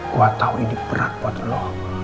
gue tau ini berat buat lo